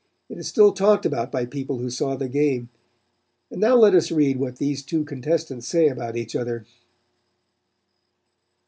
It is still talked about by people who saw the game, and now let us read what these two contestants say about each other.